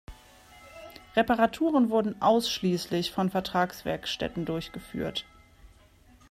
Reparaturen wurden ausschließlich von Vertragswerkstätten durchgeführt.